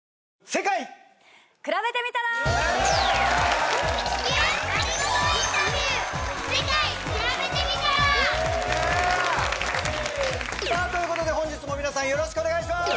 世界くらべてみたらさあということで本日もみなさんよろしくお願いします